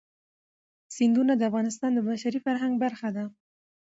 سیندونه د افغانستان د بشري فرهنګ برخه ده.